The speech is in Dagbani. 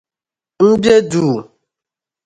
M be duu.